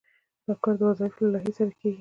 دا کار د وظایفو له لایحې سره کیږي.